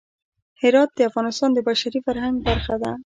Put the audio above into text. هرات د افغانستان د بشري فرهنګ برخه ده.